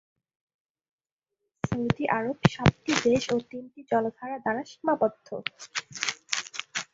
Saudi আরব সাতটি দেশ ও তিনটি জলাধার দ্বারা সীমাবদ্ধ।